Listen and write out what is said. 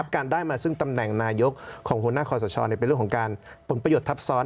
การได้มาซึ่งตำแหน่งนายกของหัวหน้าคอสชเป็นเรื่องของการผลประโยชน์ทับซ้อน